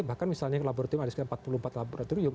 bahkan misalnya laboratorium